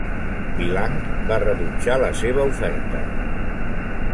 Vilanch va rebutjar la seva oferta.